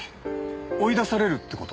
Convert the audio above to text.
追い出されるって事？